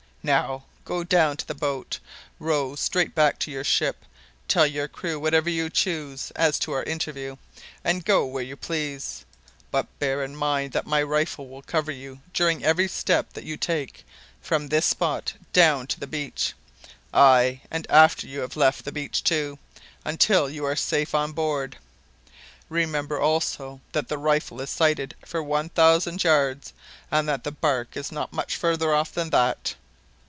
Now, go down to the boat; row straight back to your ship, tell your crew whatever you choose as to our interview, and go where you please. But bear in mind that my rifle will cover you during every step that you take from this spot down to the beach, ay, and after you have left the beach too, until you are safe on board. Remember, also, that the rifle is sighted for one thousand yards, and that the barque is not much farther off than that.